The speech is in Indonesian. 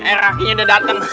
air aki nya udah dateng